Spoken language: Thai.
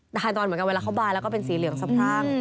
ถ่ายตอนเหมือนกันเวลาเขาบายแล้วก็เป็นสีเหลืองสะพรั่ง